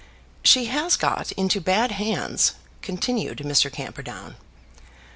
"She has got into bad hands," continued Mr. Camperdown.